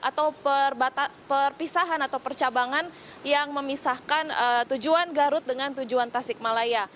atau perpisahan atau percabangan yang memisahkan tujuan garut dengan tujuan tasikmalaya